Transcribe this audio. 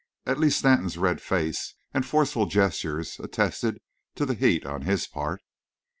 At least Stanton's red face and forceful gestures attested to heat on his part.